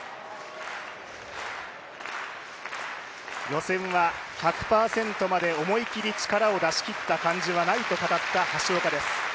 予選は１００％まで思い切って力を出し切った感じはないと話した橋岡です。